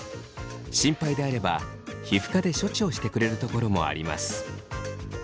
心配であれば皮膚科で処置をしてくれるところもあります。